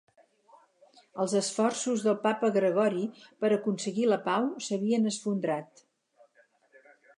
Els esforços del papa Gregori per aconseguir la pau s'havien esfondrat.